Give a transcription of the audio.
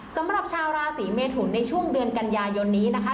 สำหรับชาวราศีเมทุนในช่วงเดือนกันยายนนี้นะคะ